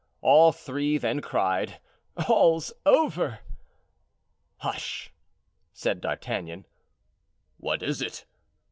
All three then cried: "All's over." "Hush!" said D'Artagnan. "What is it?"